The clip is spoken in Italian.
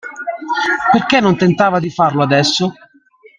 Perché non tentava di farlo adesso?